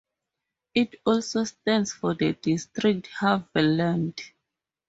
It also stands for the district Havelland.